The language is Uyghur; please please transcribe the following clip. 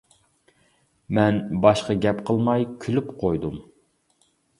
مەن باشقا گەپ قىلماي كۈلۈپ قويدۇم.